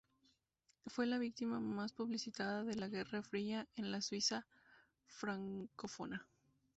Fue la víctima más publicitada de la Guerra Fría en la Suiza francófona.